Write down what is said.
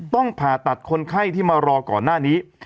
ต้องผ่าตัดคนไข้ที่มารอก่อนหน้านี้